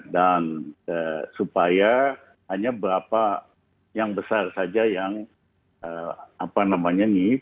dan supaya hanya berapa yang besar saja yang apa namanya nih